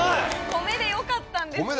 米でよかったんですね。